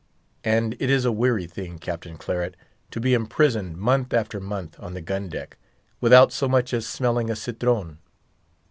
And it is a weary thing, Captain Claret, to be imprisoned month after month on the gun deck, without so much as smelling a citron.